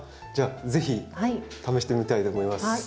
じゃあ是非試してみたいと思います。